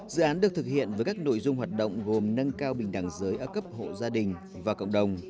dự án được thực hiện với các nội dung hoạt động gồm nâng cao bình đẳng giới ở cấp hộ gia đình và cộng đồng